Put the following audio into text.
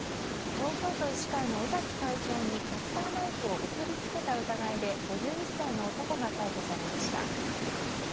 東京都医師会の尾崎会長にカッターナイフを送り付けた疑いで５１歳の男が逮捕されました。